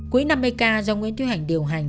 quỹ năm mươi k do nguyễn thuy hành điều hành